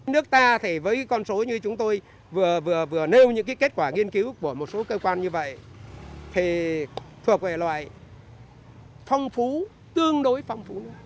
nước ta thì với con số như chúng tôi vừa vừa nêu những kết quả nghiên cứu của một số cơ quan như vậy thì thuộc về loại phong phú tương đối phong phú